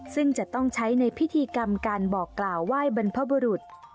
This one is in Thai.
ซึ่งจะต้องใช้ในพิธีกรรมการบอกกล่าวไหว้บรรพบุรุษ